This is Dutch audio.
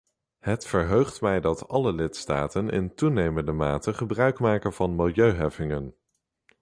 Het verheugt mij dat alle lidstaten in toenemende mate gebruik maken van milieuheffingen.